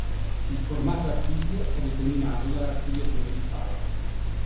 Il formato archivio è determinato dall'archiviatore di file.